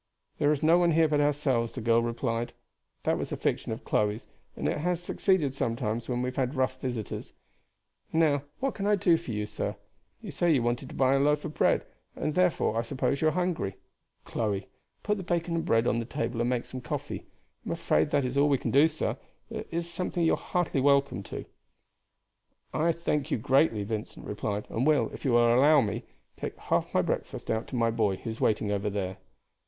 "There is no one here but ourselves," the girl replied. "That was a fiction of Chloe's, and it has succeeded sometimes when we have had rough visitors. And now what can I do for you, sir? You said you wanted to buy a loaf of bread, and therefore, I suppose, you are hungry. Chloe, put the bacon and bread on the table, and make some coffee. I am afraid that is all we can do, sir, but such as it is you are heartily welcome to it." "I thank you greatly," Vincent replied, "and will, if you will allow me, take half my breakfast out to my boy who is waiting over there."